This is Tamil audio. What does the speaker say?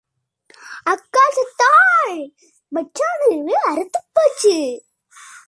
அக்காள் செத்தாள், மச்சான் உறவு அற்றுப் போச்சு.